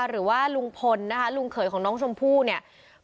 หรือว่าลุงพลนะคะลุงเขยของน้องชมพู่เนี่ย